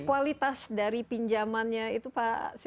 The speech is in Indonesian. kualitas dari pinjamannya itu pak sis melihat ke depan ini